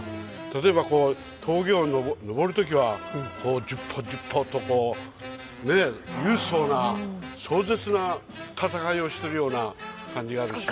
例えば峠を登る時はジュッポジュッポとこう勇壮な壮絶な戦いをしてるような感じがあるし。